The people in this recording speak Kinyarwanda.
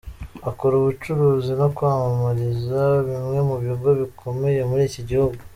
Akora ubucuruzi no kwamamariza bimwe mu bigo bikomeye muri iki gihugu.